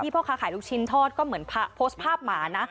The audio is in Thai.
พ่อค้าขายลูกชิ้นทอดก็เหมือนโพสต์ภาพหมานะ